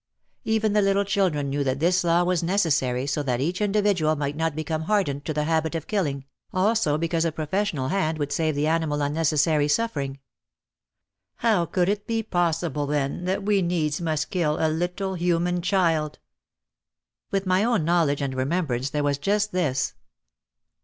Even the little children knew that this law was necessary so that each individual might not become hardened to the habit of killing, also because a professional hand would save the animal unnecessary suffering. How could it be possible then that we needs must kill a little human child ! Within my own knowledge and remembrance there was just this